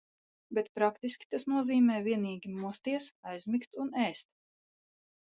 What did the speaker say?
Bet praktiski tas nozīmē vienīgi mosties, aizmigt un ēst.